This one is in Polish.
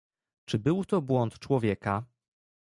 Czy był to błąd człowieka?